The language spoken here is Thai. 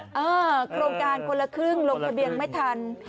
โครงการคนละครึ่งลงทะเบียนไม่ทัน